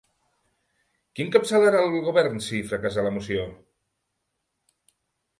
Qui encapçalarà el govern si fracassa la moció?